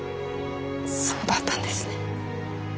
そうだったんですね。